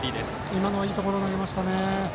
今のはいいところに投げましたね。